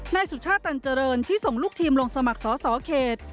สุชาติตันเจริญที่ส่งลูกทีมลงสมัครสอสอเขต